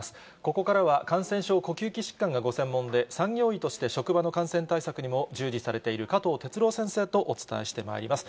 ここからは、感染症、呼吸器疾患がご専門で、産業医として職場の感染対策にも従事されている加藤哲朗先生とお伝えしてまいります。